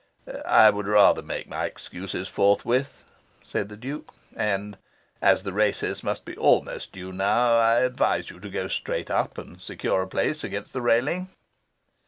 "I would rather make my excuses forthwith," said the Duke. "And, as the races must be almost due now, I advise you to go straight up and secure a place against the railing."